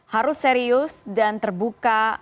harus serius dan terbuka